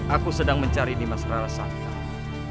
aku sedang mencari nimas rarasantang